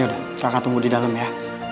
ya udah kakak tunggu di dalam ya